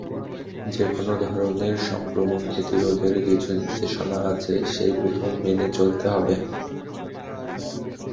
যেকোনো ধরনের সংক্রমণ প্রতিরোধের কিছু নির্দেশনা আছে, সেগুলো মেনে চলতে হবে।